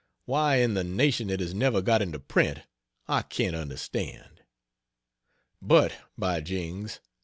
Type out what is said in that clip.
Why in the nation it has never got into print, I can't understand. But, by jings!